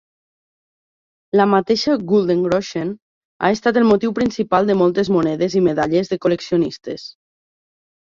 La mateixa Guldengroschen ha estat el motiu principal de moltes monedes i medalles de col·leccionistes.